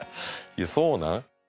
いやそうなん。